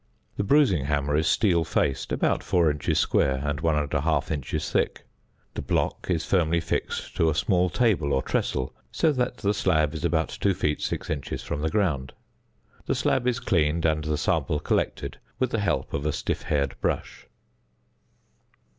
The bruising hammer is steel faced, about 4 inches square, and 1 1/2 inch thick. The block is firmly fixed to a small table or tressel, so that the slab is about 2 feet 6 inches from the ground. The slab is cleaned, and the sample collected with the help of a stiff haired brush.